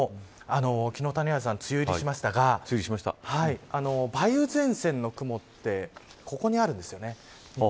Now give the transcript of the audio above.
昨日、谷原さん梅雨入りしましたが梅雨前線の雲ってここにあるんですよね。